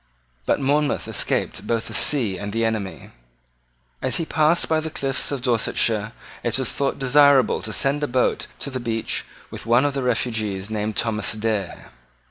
But Monmouth escaped both the sea and the enemy. As he passed by the cliffs of Dorsetshire, it was thought desirable to send a boat to the beach with one of the refugees named Thomas Dare.